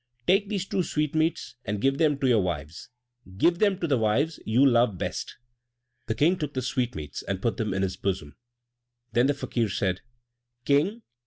take these two sweetmeats and give them to your wives; give them to the wives you love best." The King took the sweetmeats and put them in his bosom. Then the Fakir said, "King!